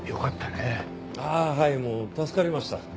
ああはいもう助かりました。